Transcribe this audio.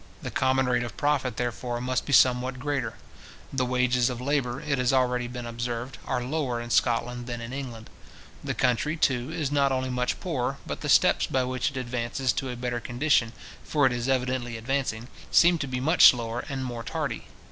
The common rate of profit, therefore, must be somewhat greater. The wages of labour, it has already been observed, are lower in Scotland than in England. The country, too, is not only much poorer, but the steps by which it advances to a better condition, for it is evidently advancing, seem to be much slower and more tardy.